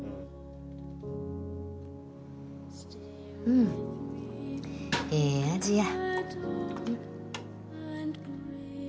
うんええ味や。